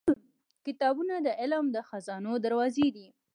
• کتابونه د علم د خزانو دروازې دي.